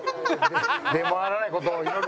出回らない事を祈る！